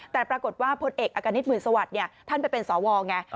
แต่ปรากฏว่าพลเอกอากานิตหมื่นสวัสดิ์ท่านไปเป็นสวไง